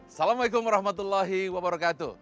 assalamualaikum wr wb